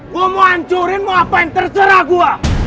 gua mau ancurin mau apa yang terserah gua